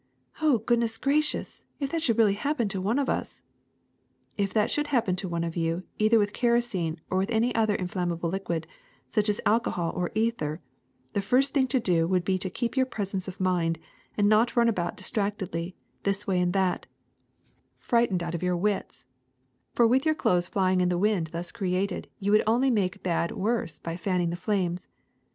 '' 0h, goodness gracious ! if that should really hap pen to one of us!*' ^*If that should happen to one of you either with kerosene or with any other inflammable liquid, such as alcohol or ether, the first thing to do would be to keep your presence of mind and not run about dis tractedly, this way and that, frightened out of your KEROSENE OIL 147 wits: for with Your clothes flvino: in the wind thus created you would only make bad worse by fanning the flames.